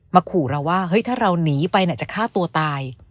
ขู่เราว่าเฮ้ยถ้าเราหนีไปจะฆ่าตัวตาย